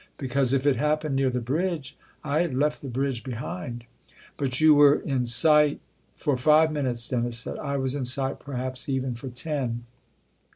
Because if it happened near the bridge I had left the bridge behind." " But you were in sight " 266 THE OTHER HOUSE " For five minutes," Dennis said. " I was in sight perhaps even for ten.